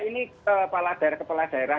ini kepala daerah kepala daerah